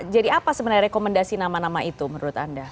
jadi apa sebenarnya rekomendasi nama nama itu menurut anda